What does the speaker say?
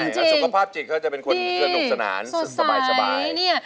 ใช่สุขภาพจิตเขาจะเป็นคนลุกสนานสบาย